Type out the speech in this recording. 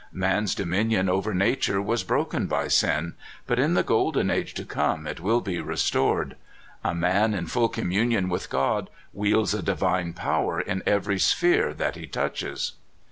Man's dominion over nature was broken by sin, but in the golden age to come it will be restored. A man in full communion with God wields a di vine power in every sphere that he touches."